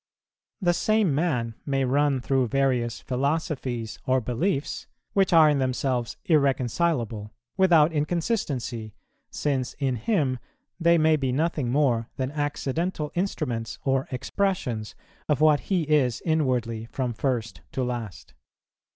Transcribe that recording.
The same man may run through various philosophies or beliefs, which are in themselves irreconcilable, without inconsistency, since in him they may be nothing more than accidental instruments or expressions of what he is inwardly from first to last.